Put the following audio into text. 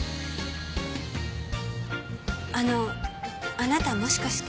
あのあなたもしかして。